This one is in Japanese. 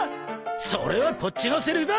それはこっちのせりふだ！